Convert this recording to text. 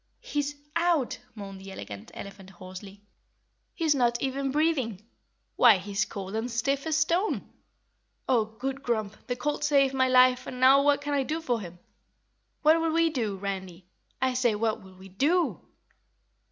"He's OUT!" moaned the Elegant Elephant hoarsely. "He's not even breathing. Why, he's cold and stiff as a stone. Oh, Good Grump, the colt saved my life and now what can I do for him? What'll we do, Randy? I say, what'll we DO?"